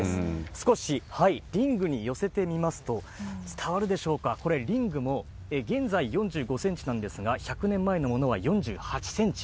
少しリングに寄せてみますと、伝わるでしょうか、これ、リングも現在４５センチなんですが、１００年前のものは４８センチ。